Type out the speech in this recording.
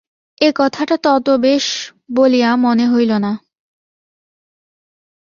এ কথাটা তত বেশ বলিয়া মনে হইল না।